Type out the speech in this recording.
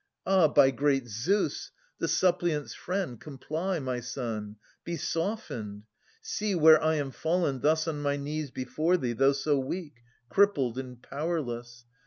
Ah ! by great Zeus, the suppliant's friend, comply. My son, be softened ! See, where I am fall'n Thus on my knees before thee, though so weak. Crippled and powerless.